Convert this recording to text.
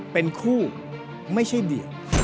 เป็นคู่ไม่ใช่เบียด